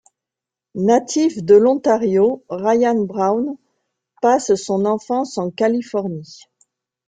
Natif de l'Ontario, Ryan Braun passe son enfance en Californie.